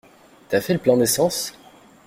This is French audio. T'as fait le plein d'essence?